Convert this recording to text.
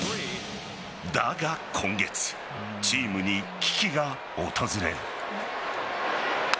だが、今月チームに危機が訪れる。